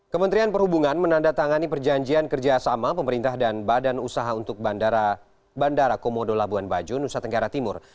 kementerian perhubungan menandatangani perjanjian kerjasama pemerintah dan badan usaha untuk bandara komodo labuan bajo nusa tenggara timur